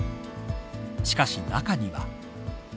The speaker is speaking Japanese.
しかし中には。